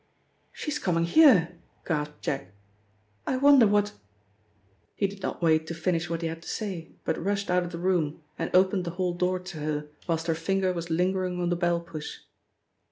"She's coming here," gasped Jack. "I wonder what " He did not wait to finish what he had to say, but rushed out of the room and opened the hall door to her whilst her finger was lingering on the bell push.